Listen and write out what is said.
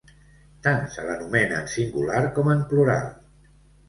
Tant se l'anomena en singular com en plural.